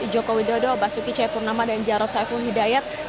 joko widodo basuki ceypurnama dan jaros evo hidayat